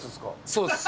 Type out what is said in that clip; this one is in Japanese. そうです。